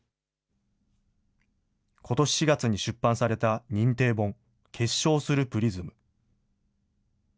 ことし４月に出版された認定本、結晶するプリズム。